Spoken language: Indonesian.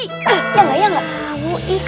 iya gak iya gak